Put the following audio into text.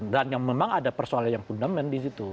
dan memang ada persoalan yang fundament di situ